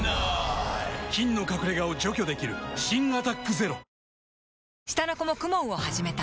菌の隠れ家を除去できる新「アタック ＺＥＲＯ」下の子も ＫＵＭＯＮ を始めた